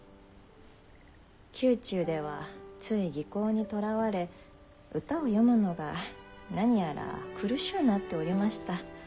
宮中ではつい技巧にとらわれ歌を詠むのが何やら苦しゅうなっておりました。